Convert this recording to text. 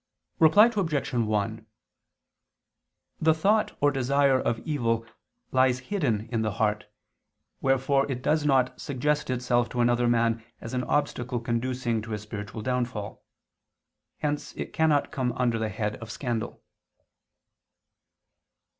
Reply Obj. 1: The thought or desire of evil lies hidden in the heart, wherefore it does not suggest itself to another man as an obstacle conducing to his spiritual downfall: hence it cannot come under the head of scandal.